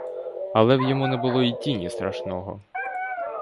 Але в йому не було й тіні страшного.